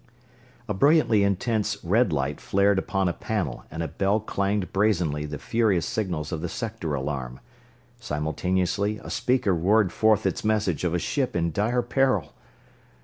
A brilliantly intense red light flared upon a panel and a bell clanged brazenly the furious signals of the sector alarm. Simultaneously a speaker roared forth its message of a ship in dire peril.